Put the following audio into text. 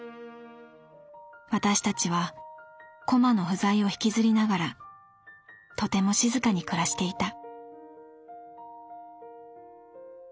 私たちはコマの不在を引きずりながらとても静かに暮らしていた」。